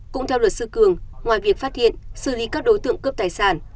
cũng theo luật sư cường ngoài việc phát hiện xử lý các đối tượng cướp tài sản